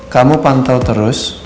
kamu pantau terus